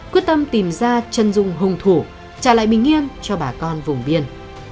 quyết tâm tìm ra chân dung hùng thủ trả lại bình yên cho bà con vùng biên